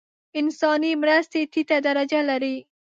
انساني مرستې ټیټه درجه لري.